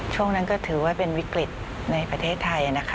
ช่วงนั้นก็ถือว่าเป็นวิกฤตในประเทศไทยนะคะ